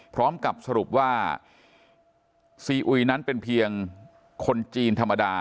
พร้อมกับสรุปว่าซีอุยนั้นเป็นเพียงคนจีนธรรมดา